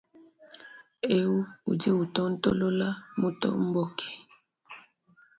Eu udi utontolola, mutomboke.